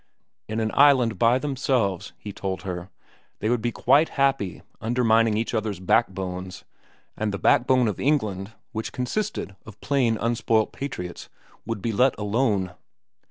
In an island by themselves, he told her, they would be quite happy undermining each other's backbones, and the backbone of England, which consisted of plain unspoilt patriots, would be let alone.